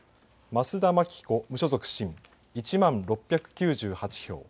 益田牧子、無所属、新１万６９８票。